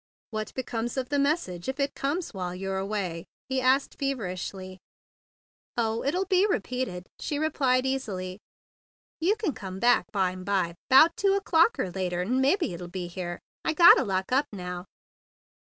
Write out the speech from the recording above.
"What becomes of the message if it comes while you're away?" he asked feverishly. "Oh, it'll be repeated," she replied easily. "You c'n cumbback bime by, 'bout two o'clock er later, 'n' mebbe it'll be here. I gotta lock up now."